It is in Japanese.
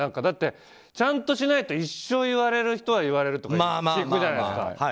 だって、ちゃんとしないと一生言われる人は言われるとか聞くじゃないですか。